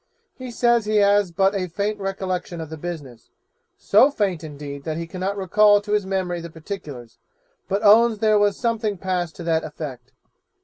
He says he has but a faint recollection of the business so faint indeed that he cannot recall to his memory the particulars, but owns there was something passed to that effect.